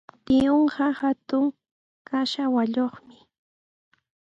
Tiyuuqa hatun kachallwayuqmi.